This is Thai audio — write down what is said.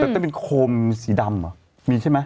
แต่ต้องเป็นโคมสีดำเหรอมีใช่ไหม